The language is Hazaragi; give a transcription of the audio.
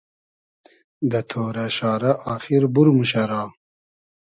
دۂ تۉرۂ شارۂ آخیر بور موشۂ را